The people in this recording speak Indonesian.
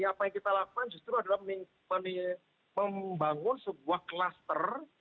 apa yang kita lakukan justru adalah membangun sebuah kluster